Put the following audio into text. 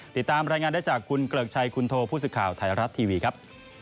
ติดตามรายงานได้จากคุณเกริกชัยคุณโทผู้สื่อข่าวไทยรัฐทีวีครับ